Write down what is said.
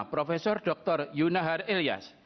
prof dr yunahar ilyas